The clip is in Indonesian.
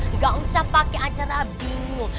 nggak usah pakai acara bingung